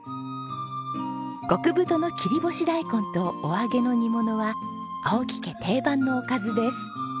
極太の切り干し大根とお揚げの煮物は青木家定番のおかずです。